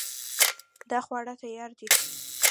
دا خواړه تیار دي